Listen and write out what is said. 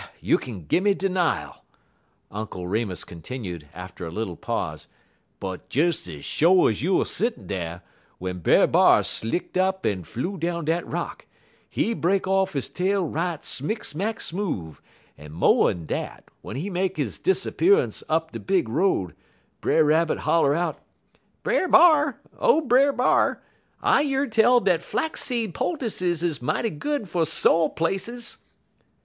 "You kin gimme denial," Uncle Remus continued after a little pause, "but des ez sho' ez you er settin' dar, w'en Brer B'ar slick'd up en flew down dat rock, he break off he tail right smick smack smoove, en mo'n dat, w'en he make his disappear'nce up de big road, Brer Rabbit holler out: "'Brer B'ar! O Brer B'ar! I year tell dat flaxseed poultices is mighty good fer so' places!'